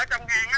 ở trong hang